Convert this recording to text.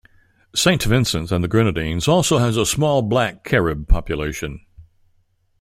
Saint Vincent and the Grenadines also has a small Black Carib population.